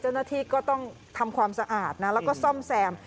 เจ้าหน้าที่ก็ต้องทำความสะอาดนะแล้วก็ซ่อมแซม